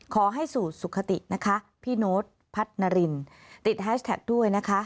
ขอให้สู่สุขตินะคะพี่โน๊ตพัฒนารินติดแฮชแท็กด้วยนะคะ